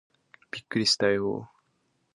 びっくりしたよー